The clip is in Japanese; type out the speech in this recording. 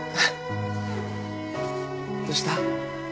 どうした？